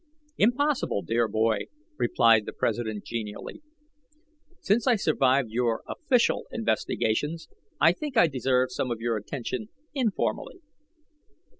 "Impossible, dear boy," replied the president genially. "Since I survived your official investigations, I think I deserve some of your attention informally."